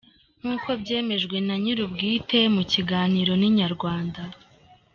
Nk'uko byemejwe na nyirubwite mu kiganiro na Inyarwanda.